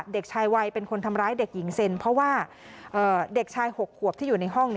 เด็กชายวัยเป็นคนทำร้ายเด็กหญิงเซ็นเพราะว่าเด็กชาย๖ขวบที่อยู่ในห้อง